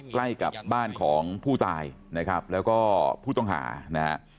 ใกล้กับบ้านของผู้ตายนะครับแล้วก็ผู้ต้องหานะฮะ